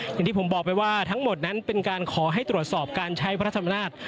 อย่างที่ผมบอกไปว่าทั้งหมดนั้นเป็นการขอให้ตรวจสอบการใช้พระธรรมนาฏ